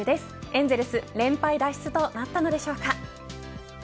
エンゼルス、連敗脱出となったのでしょうか。